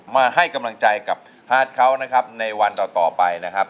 มาให้กำลังใจกับฮาร์ดเขานะครับในวันต่อไปนะครับ